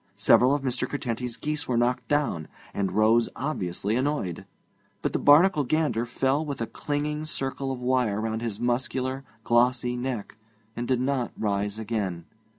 Several of Mr. Curtenty's geese were knocked down, and rose obviously annoyed; but the Barnacle gander fell with a clinging circle of wire round his muscular, glossy neck, and did not rise again.